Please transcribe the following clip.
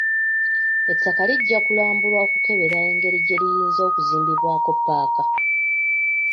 Ettaka lijja kulambulwa okukebera engeri gye liyinza okuzimbibwako ppaaka.